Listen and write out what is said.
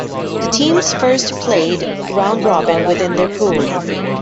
The teams first played round-robin within their pool.